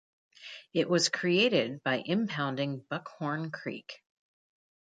It was created by impounding Buckhorn Creek.